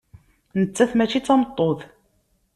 Nettat mačči d tameṭṭut.